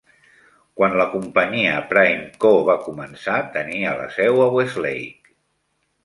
Quan la companyia PrimeCo va començar, tenia la seu a Westlake.